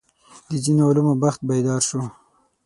د ځینو علومو بخت بیدار شو.